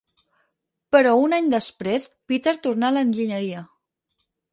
Però un any després Peter tornà a l'enginyeria.